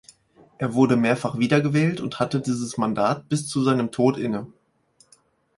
Er wurde mehrfach wiedergewählt und hatte dieses Mandat bis zu seinem Tod inne.